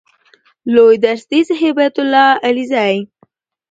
لوی درستیز هیبت الله علیزی